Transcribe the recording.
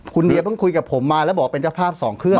คุณเดียเพิ่งคุยกับผมมาแล้วบอกเป็นเจ้าภาพสองเครื่อง